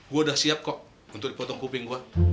gue udah siap kok untuk dipotong kuping gue